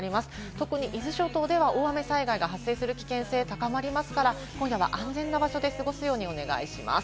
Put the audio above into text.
特に伊豆諸島では大雨災害が発生する危険が高まりますから、今夜は安全な場所で過ごすようにお願いします。